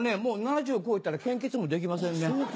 もう７０超えたら献血もできませんね。